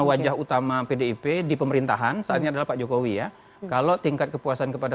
wajah utama pdip di pemerintahan saat ini adalah pak jokowi ya kalau tingkat kepuasan kepada